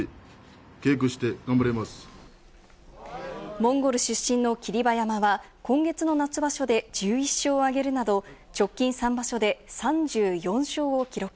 モンゴル出身の霧馬山は今月の夏場所で１１勝を挙げるなど、直近３場所で３４勝を記録。